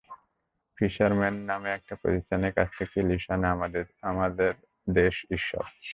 Fisherman নামে একটি প্রতিষ্ঠানের কাছ থেকে ইলিশ আনে আমার দেশ ই-শপ।